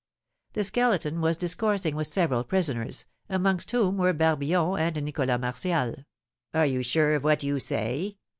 The Skeleton was discoursing with several prisoners, amongst whom were Barbillon and Nicholas Martial. "Are you sure of what you say?"